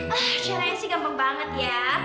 aduh caranya sih gampang banget ya